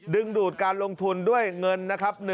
ดูดการลงทุนด้วยเงินนะครับ